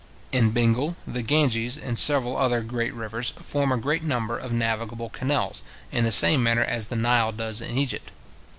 In Bengal, the Ganges, and several other great rivers, form a great number of navigable canals, in the same manner as the Nile does in Egypt.